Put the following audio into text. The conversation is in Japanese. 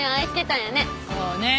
そうね。